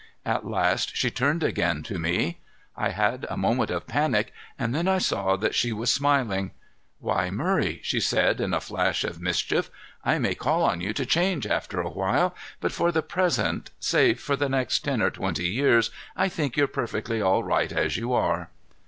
At last she turned again to me. I had a moment of panic, and then I saw that she was smiling. "Why, Murray," she said in a flash of mischief. "I may call on you to change after a while, but for the present, say for the next ten or twenty years, I think you're perfectly all right as you are."